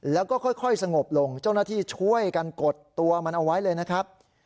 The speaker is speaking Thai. แล้วก็ค่อยสงบลงเจ้าหน้าที่ช่วยกันกดตัวมันเอาไว้เลยนะครับ